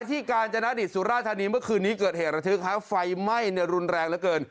กาญจนดิตสุราธานีเมื่อคืนนี้เกิดเหตุระทึกฮะไฟไหม้เนี่ยรุนแรงเหลือเกิน